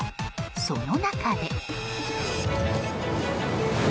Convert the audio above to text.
その中で。